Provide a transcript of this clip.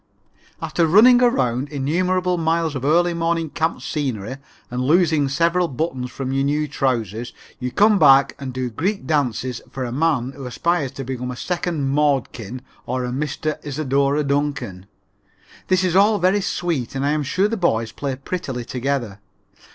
After running around innumerable miles of early morning camp scenery and losing several buttons from your new trousers, you come back and do Greek dances for a man who aspires to become a second Mordkin or a Mr. Isadora Duncan. This is all very sweet and I am sure the boys play prettily together.